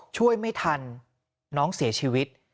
ช่วยไม่ทันน้องเสียชีวิต